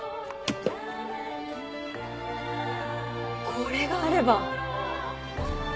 これがあれば！